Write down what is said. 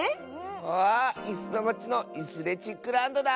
わあいすのまちのイスレチックランドだ！